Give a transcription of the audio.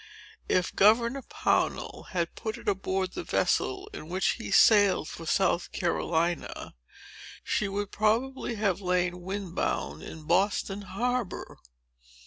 If Governor Pownall had put it aboard the vessel in which he sailed for South Carolina, she would probably have lain wind bound in Boston harbor.